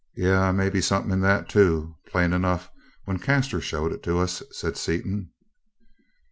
"Yeah, may be something in that, too. Plain enough, when Caslor showed it to us," said Seaton.